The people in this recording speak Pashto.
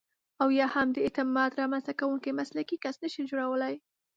او یا هم د اعتماد رامنځته کوونکی مسلکي کس نشئ جوړولای.